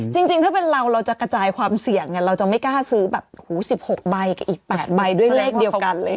จริงถ้าเป็นเราเราจะกระจายความเสี่ยงเราจะไม่กล้าซื้อแบบหู๑๖ใบกับอีก๘ใบด้วยเลขเดียวกันเลย